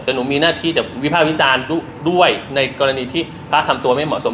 แต่หนูมีหน้าที่จะวิภาควิจารณ์ด้วยในกรณีที่พระทำตัวไม่เหมาะสม